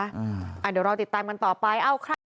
เดี๋ยวรอติดตามกันต่อไป